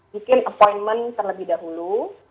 bikin appointment terlebih dahulu